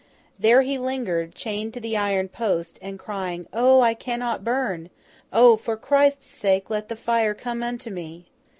There he lingered, chained to the iron post, and crying, 'O! I cannot burn! O! for Christ's sake let the fire come unto me!